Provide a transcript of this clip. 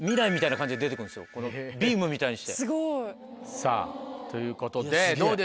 さぁということで。